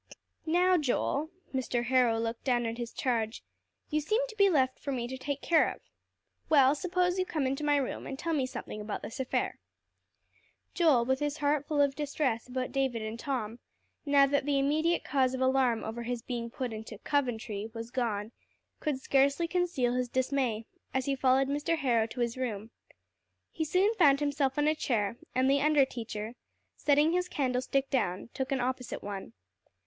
"Now, Joel," Mr. Harrow looked down at his charge, "you seem to be left for me to take care of. Well, suppose you come into my room, and tell me something about this affair." Joel, with his heart full of distress about David and Tom, now that the immediate cause of alarm over his being put into "Coventry" was gone, could scarcely conceal his dismay, as he followed Mr. Harrow to his room. He soon found himself on a chair; and the under teacher, setting his candlestick down, took an opposite one.